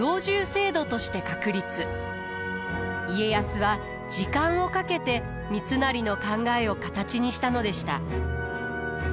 家康は時間をかけて三成の考えを形にしたのでした。